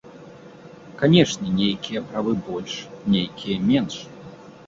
Канечне, нейкія правы больш, нейкія менш.